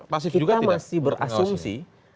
kita masih berasumsi